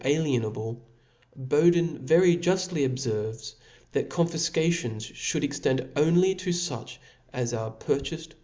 9j alienable^ Bodln very juftly obferves, that confifca Book tions fliould extend only to fuch as are purchafed chap.'